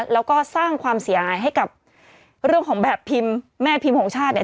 แล้วก็สร้างความเสียหายให้กับเรื่องของแบบพิมพ์แม่พิมพ์ของชาติเนี่ย